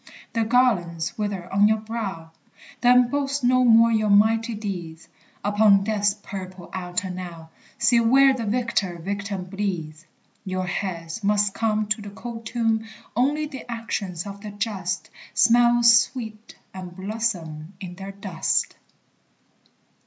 The garlands wither on your brow, Then boast no more your mighty deeds; Upon death's purple altar now See where the victor victim bleeds: Your heads must come To the cold tomb; Only the actions of the just Smell sweet, and blossom in their dust.